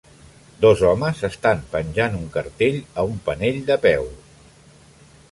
Dos homes estan penjat un cartell a un panell de peu.